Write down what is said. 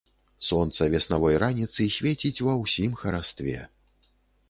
Сонца веснавой раніцы свеціць ва ўсім харастве.